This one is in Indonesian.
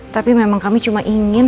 tapi memang kami cuma ingin